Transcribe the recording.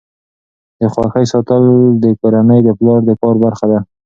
د خوښۍ ساتل د کورنۍ د پلار د کار برخه ده.